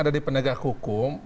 ada di pendegah hukum